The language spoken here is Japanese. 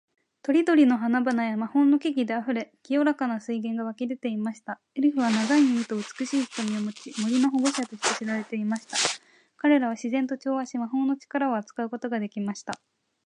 昔々、遠い国にエルフの住む美しい森がありました。この森は、色とりどりの花々や魔法の木々で溢れ、清らかな水源が湧き出ていました。エルフは、長い耳と美しい瞳を持ち、森の守護者として知られていました。彼らは自然と調和し、魔法の力を扱うことができました。